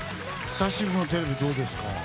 久しぶりのテレビどうですか？